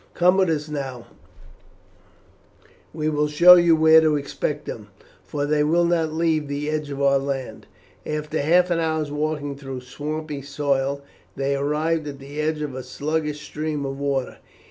"Come with us now, we will show you where to expect them, for they will not leave the edge of our land." After half an hour's walking through a swampy soil they arrived at the edge of a sluggish stream of water.